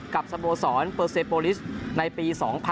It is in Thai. สโมสรเปอร์เซโปลิสในปี๒๐๑๖